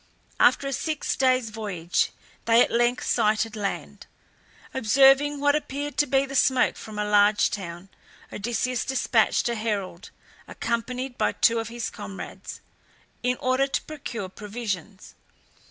After a six days' voyage they at length sighted land. Observing what appeared to be the smoke from a large town, Odysseus despatched a herald, accompanied by two of his comrades, in order to procure provisions.